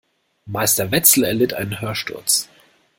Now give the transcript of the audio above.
Meister Wetzel erlitt einen Hörsturz.